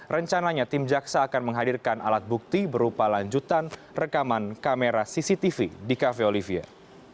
rencananya tim jaksa akan menghadirkan alat bukti berupa lanjutan rekaman kamera cctv di cafe olivier